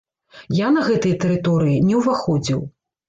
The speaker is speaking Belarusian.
Я на гэтыя тэрыторыі не ўваходзіў.